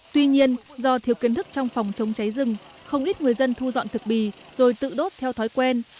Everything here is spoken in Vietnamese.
tuy nhiên do thiếu kiến thức trong phòng chống cháy rừng không ít người dân thu dọn thực bì rồi tự đốt theo thói quen